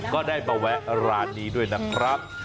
ก็ได้มาแวะร้านนี้ด้วยนะครับ